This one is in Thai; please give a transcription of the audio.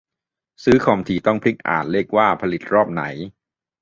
ซื้อคอมทีต้องพลิกมาอ่านเลขว่าผลิตรอบไหน